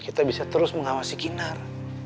kita bisa terus mengawasi kinar